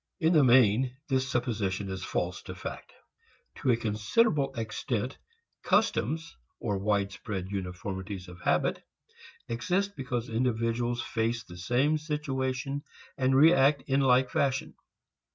In the main this supposition is false to fact. To a considerable extent customs, or wide spread uniformities of habit, exist because individuals face the same situation and react in like fashion.